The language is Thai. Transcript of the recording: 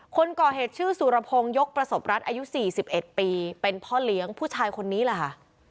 คนก่อเหตุชื่อสุรพงศ์ยกประสบรัฐอายุ๔๑ปีเป็นพ่อเลี้ยงผู้ชายคนนี้แหละค่ะ